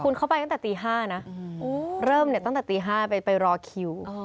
คุณเข้าไปตั้งแต่ตี๕นะเริ่มเนี่ยตั้งแต่ตี๕ไปรอคิว